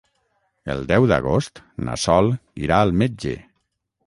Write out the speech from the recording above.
El deu d'agost na Sol irà al metge.